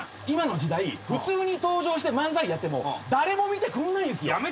今の時代普通に登場して漫才やっても誰も見てくんないんすよ。